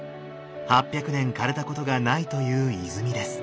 ８００年かれたことがないという泉です。